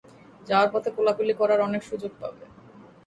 যাওয়ার পথে কোলাকুলি করার অনেক সুযোগ পাবে।